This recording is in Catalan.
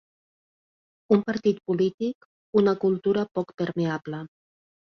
Un partit polític, una cultura poc permeable.